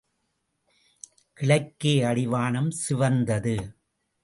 கிழக்கே அடிவானம் சிவந்தது.